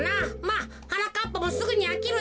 まあはなかっぱもすぐにあきるだろう。